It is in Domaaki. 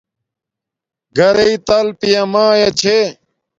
گھرݵ تل پیا مایا چھے